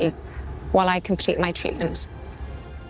sementara saya memulai perubahan saya